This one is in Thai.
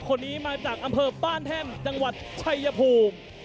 คนนี้มาจากอำเภอบ้านแท่นจังหวัดชัยภูมิ